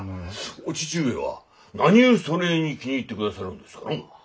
お父上は何ゅうそねえに気に入ってくださりょんですかの。